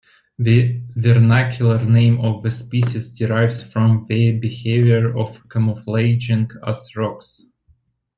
The vernacular name of the species derives from their behaviour of camouflaging as rocks.